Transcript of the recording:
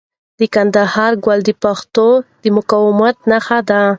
د کندهار کلا د پښتنو د مقاومت نښه ده.